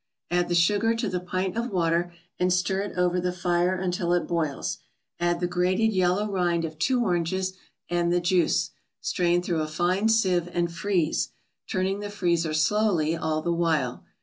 Add the sugar to the pint of water and stir it over the fire until it boils; add the grated yellow rind of two oranges and the juice; strain through a fine sieve and freeze, turning the freezer slowly all the while.